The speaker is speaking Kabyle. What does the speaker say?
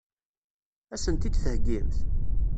Ad sen-t-id-theggimt?